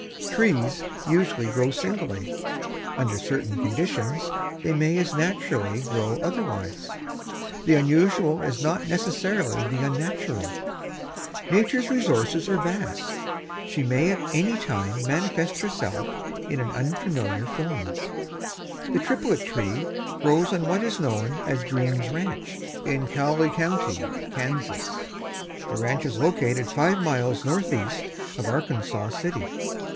Trees usually grow singly. Under certain conditions they may as naturally grow otherwise. The unusual is not necessarily the unnatural. Nature's resources are vast. She may at any time manifest herself in an unfamiliar form. A triplet tree grows on what is known as "Green's Ranch" in Cowley County, Kansas. The ranch is located five miles northeast of Arkansas City.